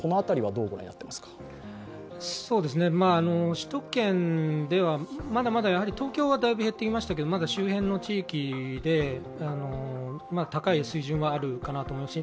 首都圏ではまだまだ東京はだいぶ減ってきましたけどまだ周辺の地域で高い水準はあるかなと思いますし